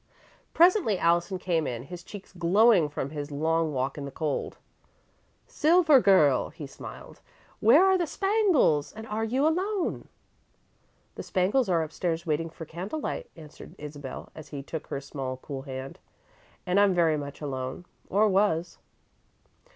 Presently Allison came in, his cheeks glowing from his long walk in the cold. "Silver Girl," he smiled, "where are the spangles, and are you alone?" "The spangles are upstairs waiting for candlelight," answered Isabel, as he took her small, cool hand, "and I'm very much alone or was."